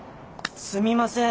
すみません。